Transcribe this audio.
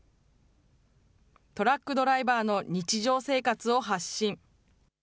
トラックドライバーの日常生活を発信。